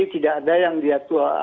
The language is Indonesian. tidak ada yang dia